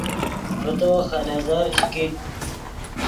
ڤے تو خلیزر چے کیت